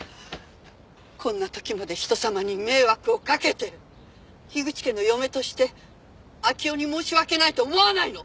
こんな時まで人様に迷惑をかけて口家の嫁として秋生に申し訳ないと思わないの？